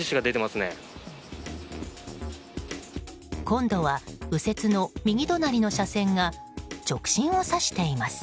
今度は右折の右隣の車線が直進を指しています。